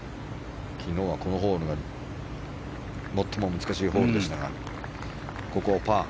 昨日は、このホールが最も難しいホールでしたがここをパー。